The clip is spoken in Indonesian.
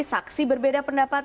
saksi berbeda pendapat